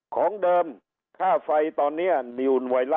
ของเดิมค่าไฟตอนนี้มีอุณหวัยละ๔บาท